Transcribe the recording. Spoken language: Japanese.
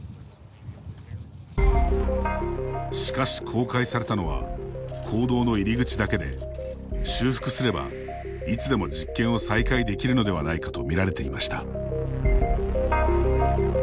しかし、公開されたのは坑道の入り口だけで修復すれば、いつでも実験を再開できるのではないかと見られていました。